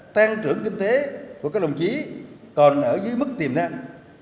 tăng trưởng kinh tế của các đồng chí còn ở dưới mức tiềm năng